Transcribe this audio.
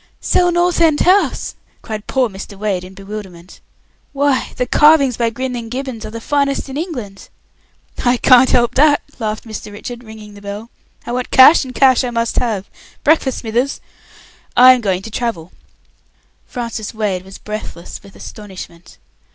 "Sell North End House!" cried poor Mr. Wade, in bewilderment. "You'd sell it? Why, the carvings by Grinling Gibbons are the finest in England." "I can't help that," laughed Mr. Richard, ringing the bell. "I want cash, and cash I must have. Breakfast, Smithers. I'm going to travel." Francis Wade was breathless with astonishment.